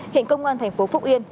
hiện công an tp phúc yên